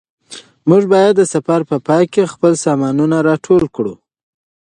موږ باید د سفر په پای کې خپل سامانونه راټول کړو.